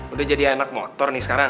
udah jadi anak motor nih sekarang